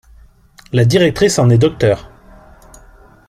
La directrice en est Dr.